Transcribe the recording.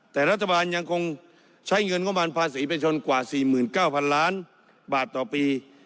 แต่รัฐบาลยังคงใช้เงินงบประมาณภาษีไปชนกว่า๔๙๐๐ล้านบาทต่อปี